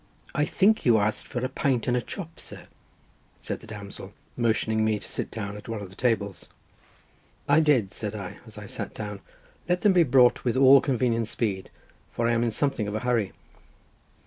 "I think you asked for a pint and a chop, sir?" said the damsel, motioning me to sit down at one of the tables. "I did," said I, as I sat down, "let them be brought with all convenient speed, for I am in something of a hurry."